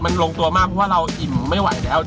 งรมตัวมากเพราะว่าอิ่มไม่ไหวแล้ว